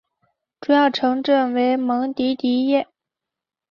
主要城镇为蒙迪迪耶。